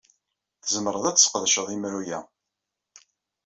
Tzemred ad tesqedced imru-a.